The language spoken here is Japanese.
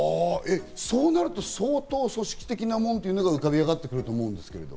そうなると相当、組織的なものが浮かび上がってくると思うんですけど。